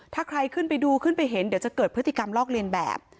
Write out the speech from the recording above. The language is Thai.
ถ้าใครขึ้นไปดูขึ้นไปเห็นเดี๋ยวจะเกิดพฤติกรรมลอกเลียนแบบ